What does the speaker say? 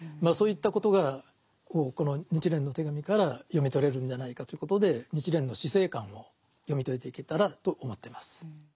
そういったことがこの「日蓮の手紙」から読み取れるんじゃないかということで日蓮の死生観を読み解いていけたらと思ってます。